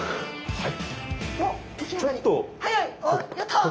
はい。